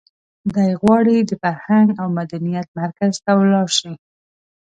دی غواړي د فرهنګ او مدنیت مرکز ته ولاړ شي.